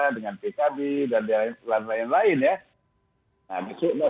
dengan pkb dan lain lain ya